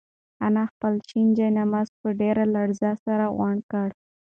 انا خپل شین جاینماز په ډېرې لړزې سره غونډ کړ.